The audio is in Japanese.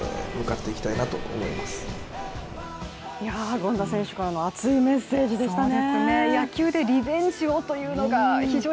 権田選手からの熱いメッセージでしたね。